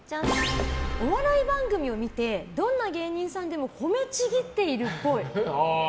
お笑い番組を見てどんな芸人さんでも褒めちぎっているっぽい。